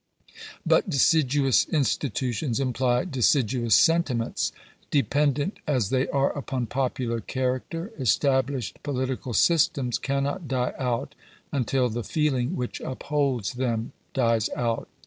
But deciduous institutions imply deciduous sentiments. De , pendent as they are upon popular character, established poli tical systems cannot die out until the feeling which upholds them dies out.